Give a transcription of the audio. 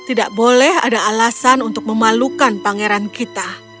tidak boleh ada alasan untuk memalukan pangeran kita